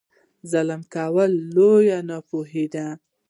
ظلم کول لویه ناپوهي ده.